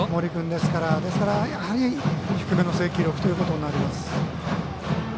ですから、やはり低めの制球力ということになります。